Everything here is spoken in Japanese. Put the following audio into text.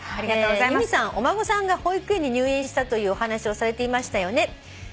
「由美さんお孫さんが保育園に入園したというお話をされていましたよね」